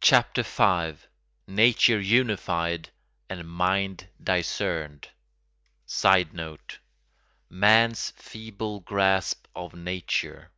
CHAPTER V—NATURE UNIFIED AND MIND DISCERNED [Sidenote: Man's feeble grasp of nature.